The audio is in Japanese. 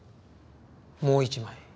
もう１枚。